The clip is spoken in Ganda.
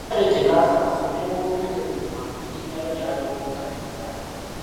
N'akataayi tekasala so n'embooge tebuguma ng'erinnya lyo ly'adobonkanye dda!